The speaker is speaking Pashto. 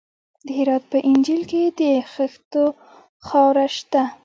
د هرات په انجیل کې د خښتو خاوره شته.